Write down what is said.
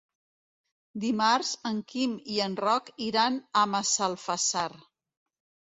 Dimarts en Quim i en Roc iran a Massalfassar.